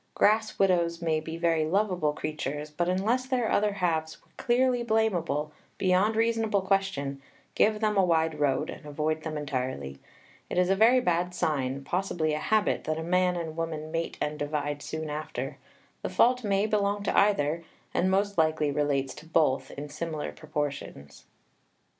Grass widows may be very lovable creatures, but unless their other halves were clearly blamable, beyond reasonable question, give them a wide road and avoid them entirely. It is a very bad sign, possibly a habit, that a man and woman mate and divide soon after; the fault may belong to either, and most likely relates to both, in similar proportions.